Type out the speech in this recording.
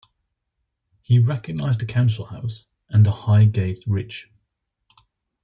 He recognised the Council House and the Highgate Ridge.